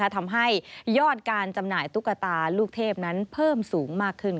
ทำให้ยอดการจำหน่ายตุ๊กตาลูกเทพนั้นเพิ่มสูงมากขึ้น